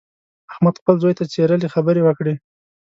احمد خپل زوی ته څیرلې خبرې وکړې.